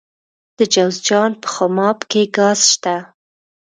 د جوزجان په خماب کې ګاز شته.